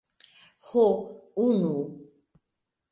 Ho... unu.